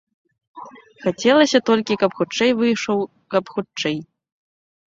Хацелася толькі, каб хутчэй выйшаў, каб хутчэй.